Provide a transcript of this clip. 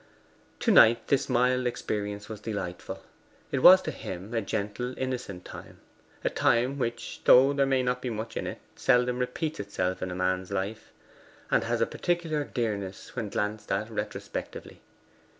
To Knight this mild experience was delightful. It was to him a gentle innocent time a time which, though there may not be much in it, seldom repeats itself in a man's life, and has a peculiar dearness when glanced at retrospectively.